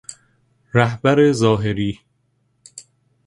رهبر ظاهری